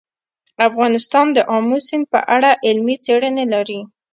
افغانستان د آمو سیند په اړه علمي څېړنې لري.